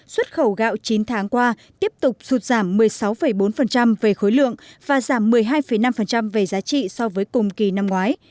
xuất khẩu gạo chín tháng qua tiếp tục sụt giảm một mươi sáu bốn về khối lượng và giảm một mươi hai năm về giá trị so với cùng kỳ năm ngoái